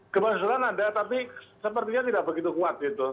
gempa susulan ada tapi sepertinya tidak begitu kuat gitu